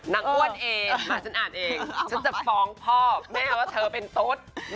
อ้วนเองฉันอ่านเองฉันจะฟ้องพ่อแม่ว่าเธอเป็นตุ๊ด